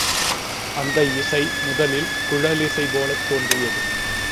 அந்த இசை, முதலில் குழலிசை போலத் தோன்றியது.